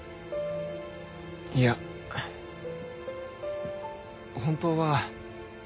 いや本当は。